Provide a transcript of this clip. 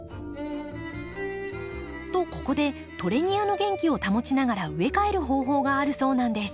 とここでトレニアの元気を保ちながら植え替える方法があるそうなんです。